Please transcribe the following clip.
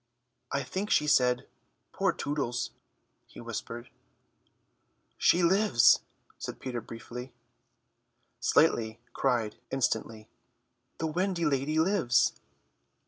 "I think she said, 'Poor Tootles,'" he whispered. "She lives," Peter said briefly. Slightly cried instantly, "The Wendy lady lives."